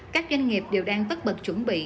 các doanh nghiệp đều đang bất bật chuẩn bị